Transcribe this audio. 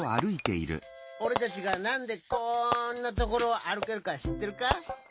おれたちがなんでこんなところをあるけるかしってるか？